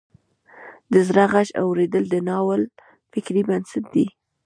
د زړه غږ اوریدل د ناول فکري بنسټ دی.